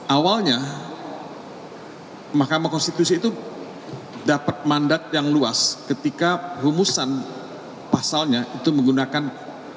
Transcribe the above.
awalnya mahkamah konstitusi itu dapat mandat yang luas ketika rumusan pasalnya itu menggunakan